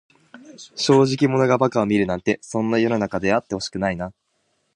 正直者が馬鹿を見るなんて、そんな世の中であってほしくないな。